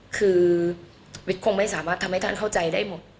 คือวิทย์คงไม่สามารถทำให้ท่านเข้าใจได้หมด